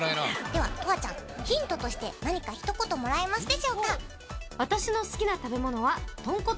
では永遠ちゃんヒントとして何かひと言もらえますでしょうか？